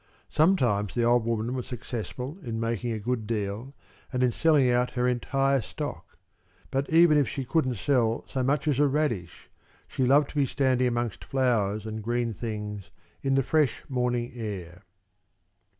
Sometimes the old woman was successful in making a good deal and in selling out her entire stock; but even if she couldn't sell so much as a radish, she loved to be standing amongst flowers and green things in the fresh morning air.